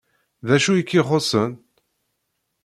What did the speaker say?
D acu i k-ixuṣṣen?